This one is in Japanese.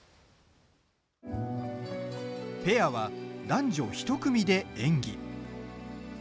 ペアは、男女１組で演技。